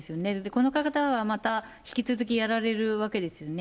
この方がまた引き続きやられるわけですよね。